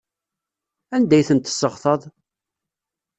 Anda ay tent-tesseɣtaḍ?